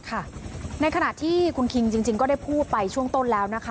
ขณะที่คุณคิงจริงก็ได้พูดไปช่วงต้นแล้วนะคะ